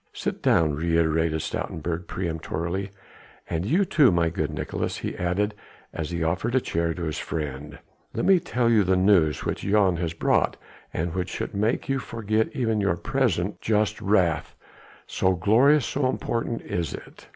"Sit down," reiterated Stoutenburg peremptorily, "and you too, my good Nicolaes," he added as he offered a chair to his friend. "Let me just tell you the news which Jan has brought, and which should make you forget even your present just wrath, so glorious, so important is it."